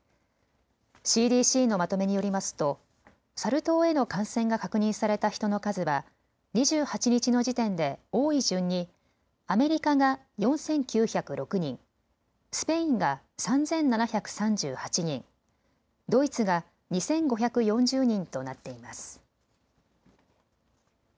ＣＤＣのまとめによりますとサル痘への感染が確認された人の数は２８日の時点で多い順にアメリカが４９０６人、スペインが３７３８人、ドイツが２５４０人となっています。